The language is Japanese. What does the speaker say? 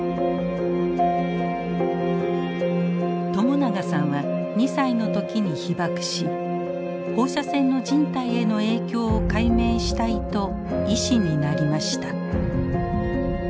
朝長さんは２歳の時に被爆し放射線の人体への影響を解明したいと医師になりました。